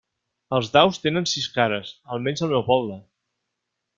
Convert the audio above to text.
Els daus tenen sis cares, almenys al meu poble.